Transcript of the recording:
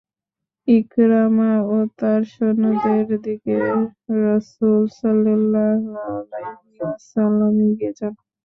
ইকরামা ও তার সৈন্যদের দিকে রাসূল সাল্লাল্লাহু আলাইহি ওয়াসাল্লাম এগিয়ে যান।